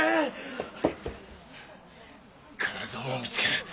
必ずおもんを見つける。